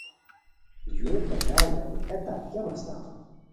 ژور بشارگانی اے تت کیہ مسئلہ ہوئے؟